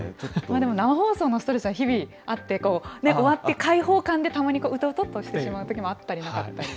でも生放送のストレスは日々あって、終わって解放感でたまにうとうとっとしてしまうときもあったりなかったり。